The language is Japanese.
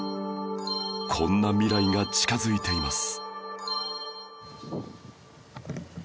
こんな未来が近づいています